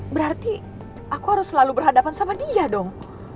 berarti aku harus selalu berhadapan sama dia dong